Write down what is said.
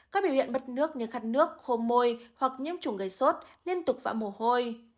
các biểu hiện bất nước như khát nước khô môi hoặc nhiễm chủng gây sốt liên tục vã mồ hôi